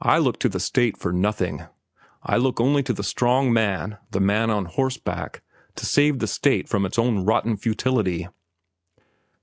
I look to the state for nothing. I look only to the strong man, the man on horseback, to save the state from its own rotten futility."